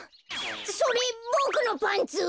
それボクのパンツ！？